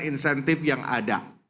insentif yang ada